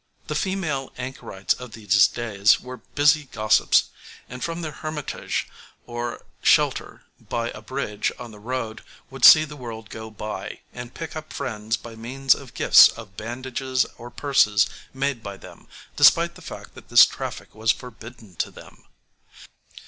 ] The female anchorites of these days were busy gossips, and from their hermitage or shelter by a bridge on the road would see the world go by, and pick up friends by means of gifts of bandages or purses made by them, despite the fact that this traffic was forbidden to them.